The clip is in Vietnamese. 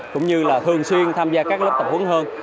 cũng như là thường xuyên tham gia các lớp tập huấn hơn